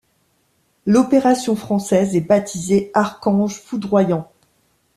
L'opération française est baptisée Archange foudroyant.